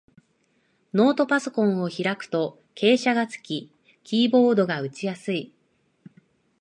ノートパソコンを開くと傾斜がつき、キーボードが打ちやすい